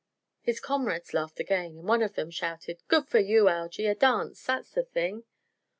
His comrades laughed again, and one of them shouted: "Good for you, Algy. A dance that's the thing!"